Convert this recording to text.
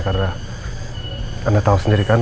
karena anda tahu sendiri kan